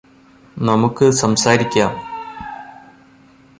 നമുക്ക് സംസാരിക്കാം